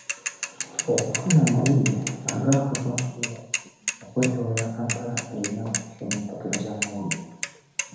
Okufuna amawulire agaakagwawo okwetooloola Kampala olina okusoma empapula z'amawulire.